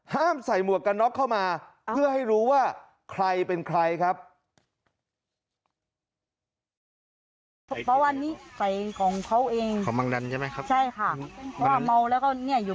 แต่เรากับน้าเขาว่าเข้าข้างหนู